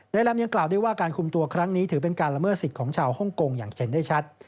ลำยังกล่าวด้วยว่าการคุมตัวครั้งนี้ถือเป็นการละเมิดสิทธิ์ของชาวฮ่องกงอย่างเห็นได้ชัด